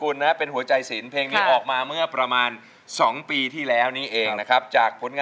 ร้องได้อย่างได้อย่าง